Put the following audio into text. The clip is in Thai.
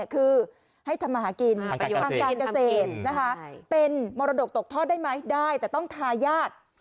คือให้ทำมาหากินทางการเกษตรนะคะเป็นมรดกตกทอดได้ไหมได้แต่ต้องทายาท